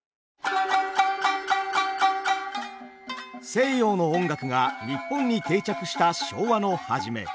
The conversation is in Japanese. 西洋の音楽が日本に定着した昭和の初め